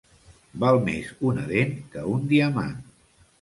Val més una dent que un diamant.